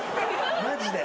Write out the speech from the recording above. マジで。